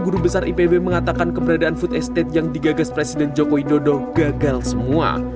guru besar ipb mengatakan keberadaan food estate yang digagas presiden joko widodo gagal semua